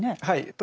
はい。